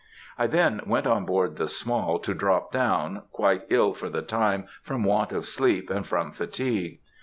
I then went on board the Small to drop down, quite ill for the time from want of sleep and from fatigue.